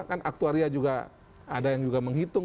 kan aktuaria juga ada yang juga menghitung